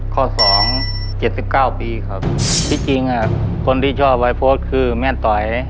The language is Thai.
ข้อสองเจ็ดสิบเก้าปีครับจริงจริงอ่ะคนที่ชอบวัยพจน์คือแม่นต่อย